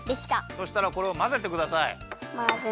そしたらこれをまぜてください。